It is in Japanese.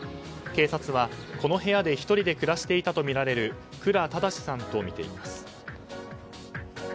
警察はこの部屋で１人で暮らしていたとみられる倉正さんとみています。